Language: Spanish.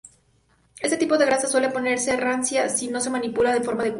Este tipo de grasa suele ponerse rancia si no se manipula de forma adecuada.